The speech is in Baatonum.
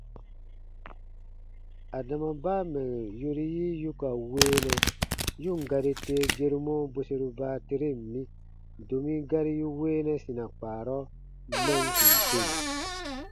Adama baa mɛ̀ yori yi yu ka weenɛ, yu ǹ gari tee gerumɔ bweseru baateren mi, domi gari yu weenɛ sina kpaarɔ mɛm kùn tem.